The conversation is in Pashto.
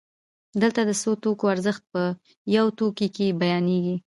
دلته د څو توکو ارزښت په یو توکي کې بیانېږي